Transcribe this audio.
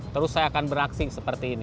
terus saya akan beraksi seperti ini